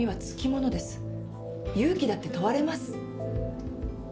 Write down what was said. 勇気だって問われます。